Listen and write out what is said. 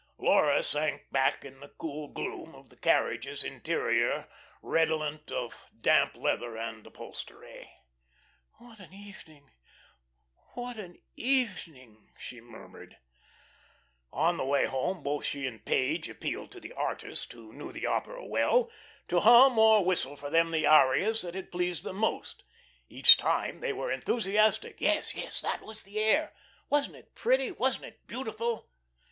Laura sank back in the cool gloom of the carriage's interior redolent of damp leather and upholstery. "What an evening! What an evening!" she murmured. On the way home both she and Page appealed to the artist, who knew the opera well, to hum or whistle for them the arias that had pleased them most. Each time they were enthusiastic. Yes, yes, that was the air. Wasn't it pretty, wasn't it beautiful?